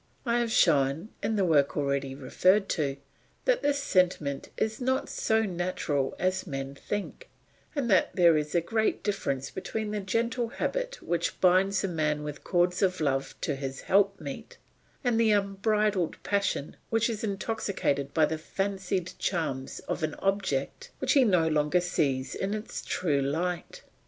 I have shown, in the work already referred to, that this sentiment is not so natural as men think, and that there is a great difference between the gentle habit which binds a man with cords of love to his helpmeet, and the unbridled passion which is intoxicated by the fancied charms of an object which he no longer sees in its true light.